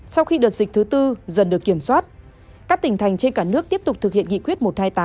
sau khi đợt dịch thứ tư dần được kiểm soát các tỉnh thành trên cả nước tiếp tục thực hiện nghị quyết một trăm hai mươi tám